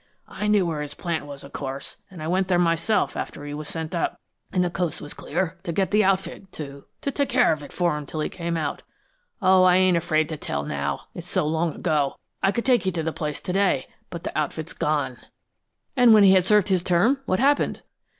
I knew where his plant was, of course, and I went there myself, after he was sent up and the coast was clear, to get the outfit, to to take care of it for him until he came out. Oh, I ain't afraid to tell now; it's so long ago! I could take you to the place to day, but the outfit's gone." "And when he had served his term, what happened?"